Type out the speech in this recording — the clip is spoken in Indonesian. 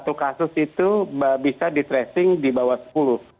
satu kasus itu bisa di tracing di bawah sepuluh